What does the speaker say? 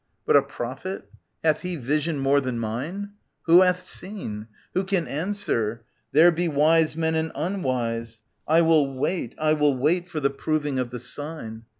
But a prophet, hath he vision more than mine ? Who hath seen ? Who can answer ? There be wise men and unwise. I will wait, I will wait, for the proving of the sign.